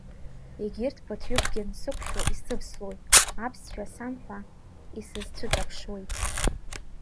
Егьырҭ ԥыҭҩыкгьы нсықәшәо исывслоит, аԥсшәа самҳәа, исызцәыҵԥшуеит.